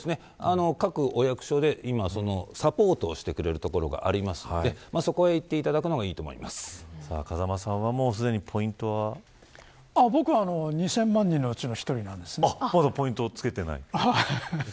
各お役所で今、そのサポートをしてくれる所がありますのでそこに行っていただくのが風間さんは僕は２０００万人のうちのまだポイントつけてない。